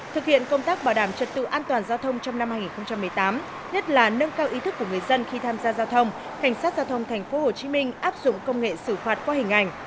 thực hiện công tác bảo đảm trật tự an toàn giao thông trong năm hai nghìn một mươi tám nhất là nâng cao ý thức của người dân khi tham gia giao thông cảnh sát giao thông tp hcm áp dụng công nghệ xử phạt qua hình ảnh